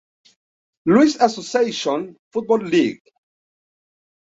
Louis Association Foot Ball League.